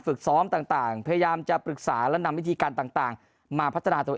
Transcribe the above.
ฝึกซ้อมต่างพยายามจะปรึกษาและนำวิธีการต่างมาพัฒนาตัวเอง